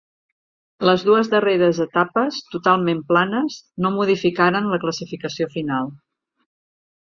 Les dues darreres etapes, totalment planes, no modificaren la classificació final.